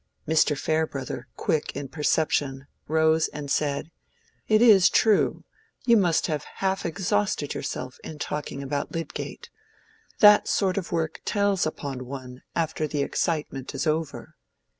Mr. Farebrother, quick in perception, rose and said, "It is true; you must have half exhausted yourself in talking about Lydgate. That sort of work tells upon one after the excitement is over."